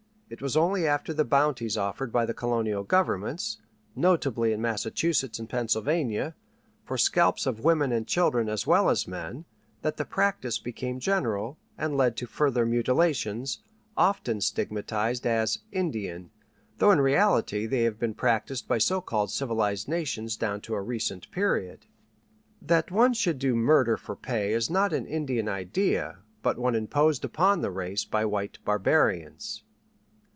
It was only after the bounties offered by the colonial governments, notably in Massachusetts and Pennsylvania, for scalps of women and children as well as men, that the practice became general, and led to further mutilations, often stigmatized as "Indian," though in reality they have been practised by so called civilized nations down to a recent period. That one should do murder for pay is not an Indian idea but one imposed upon the race by white barbarians.